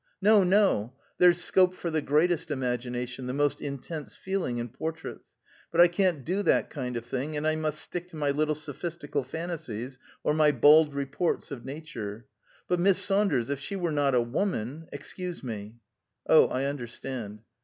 "No, no! There's scope for the greatest imagination, the most intense feeling, in portraits. But I can't do that kind of thing, and I must stick to my little sophistical fantasies, or my bald reports of nature. But Miss Saunders, if she were not a woman excuse me! " "Oh, I understand!"